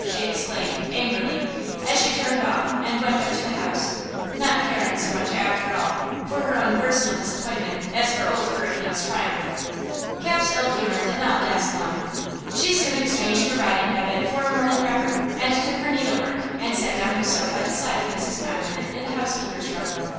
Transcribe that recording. she exclaimed, angrily, as she turned off and went up to the house–not caring so much, after all, for her own personal disappointment as for Old Hurricane's triumph. Cap's ill humor did not last long. She soon exchanged her riding habit for a morning wrapper, and took her needle work and sat down to sew by the side of Mrs. Condiment in the housekeeper's room.